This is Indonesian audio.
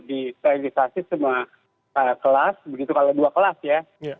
disterilisasi semua kelas begitu kalau dua kelas ya